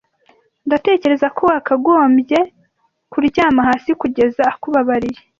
Ndatekereza ko wakagombye kuryama hasi kugeza akubabariye.